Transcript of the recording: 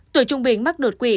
tuổi trung bình mắc đột quỵ